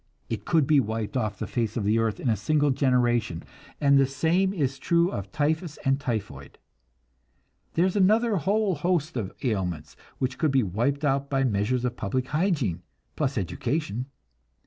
It could be wiped off the face of the earth in a single generation; and the same is true of typhus and typhoid. There is another whole host of ailments which could be wiped out by measures of public hygiene, plus education.